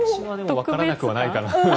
分からなくはないかな。